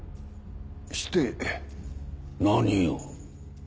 して何用？